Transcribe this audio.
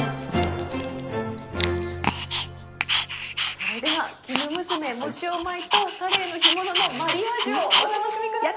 それではきぬむすめ藻塩米とカレイの干物のマリアージュをお楽しみ下さい。